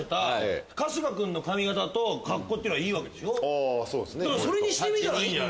あぁそうですね。